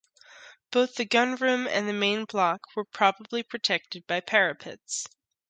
Both the gun room and the main block were probably protected by parapets.